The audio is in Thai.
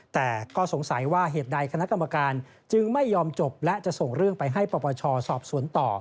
แต่ก็สงสัยว่าเหตุใดคณะกรรมการจึงไม่ยอมจบและจะส่งเรื่องไปให้ปปชสอบสวนต่อ